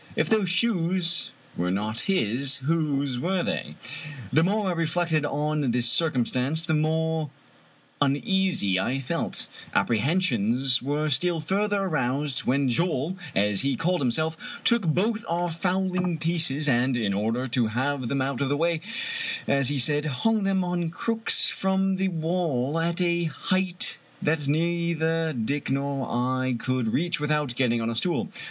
If those shoes were not his, whose were they? The more I reflected on this circumstance the more uneasy I felt; apprehensions were still further aroused when Joel, as he called himself, took both our fowling pieces, and, in order to have them out of the way, as he said, hung them on crooks from the wall, at a height that neither Dick nor I could reach without getting on a stool.